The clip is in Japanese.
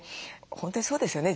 本当にそうですよね